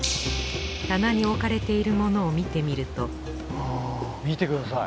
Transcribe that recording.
棚に置かれているものを見てみると見てください。